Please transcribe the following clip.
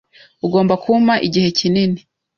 Ugomba kumpa igihe kinini.